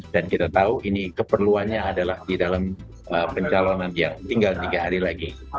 dan kita tahu ini keperluannya adalah di dalam pencalonan yang tinggal tiga hari lagi